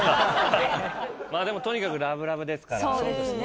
まぁでもとにかくラブラブですから。